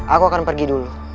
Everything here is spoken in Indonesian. aku akan pergi dulu